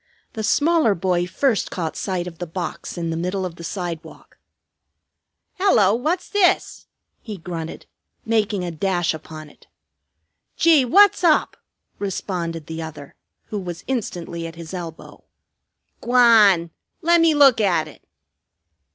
The smaller boy first caught sight of the box in the middle of the sidewalk. "Hello! Wot's dis?" he grunted, making a dash upon it. "Gee! Wot's up?" responded the other, who was instantly at his elbow. "Gwan! Lemme look at it."